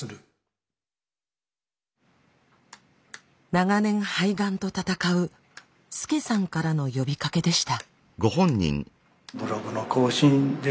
長年肺がんと闘うスケサンからの呼びかけでした。